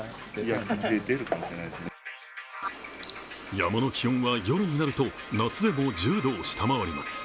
山の気温は夜になると夏でも１０度を下回ります。